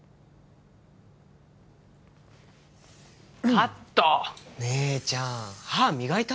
カット姉ちゃん歯磨いた？